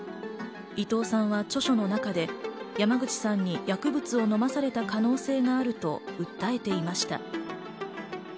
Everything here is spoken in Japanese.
伊藤さんは著書の中で山口さんに薬物を飲まされた可能性があると訴えていました。